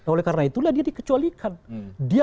oleh karena itulah dia dikecualikan dia